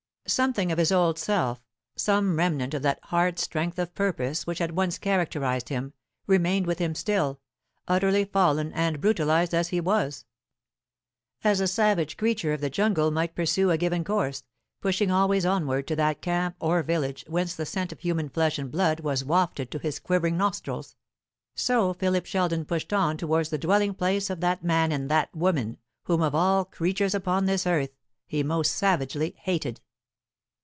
Something of his old self, some remnant of that hard strength of purpose which had once characterized him, remained with him still, utterly fallen and brutalized as he was. As a savage creature of the jungle might pursue a given course, pushing always onward to that camp or village whence the scent of human flesh and blood was wafted to his quivering nostrils, so Philip Sheldon pushed on towards the dwelling place of that man and that woman whom of all creatures upon this earth he most savagely hated.